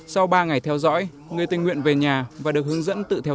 sau ba ngày theo dõi người tình nguyện về nhà và được hướng dẫn tự nhiên